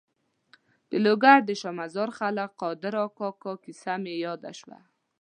د لوګر د شا مزار ملک قادر کاکا کیسه مې یاده شوه.